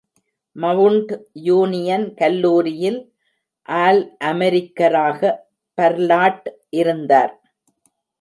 Mount Union கல்லூரியில் ஆல்-அமெரிக்கராக Ballard இருந்தார்.